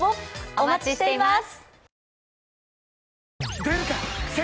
お待ちしています。